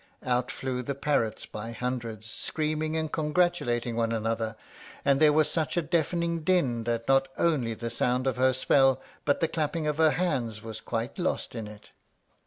Out flew the parrots by hundreds, screaming and congratulating one another; and there was such a deafening din that not only the sound of her spell, but the clapping of her hands, was quite lost in it.